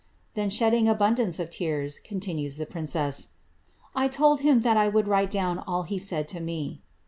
" ^1 shedding abundance of tears," continues the princess, ^ I told bin 1 would write down all he said to me.